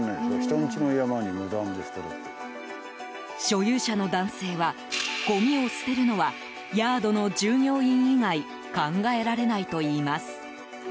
所有者の男性はごみを捨てるのはヤードの従業員以外考えられないといいます。